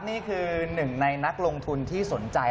นี่คือหนึ่งในนักลงทุนที่สนใจ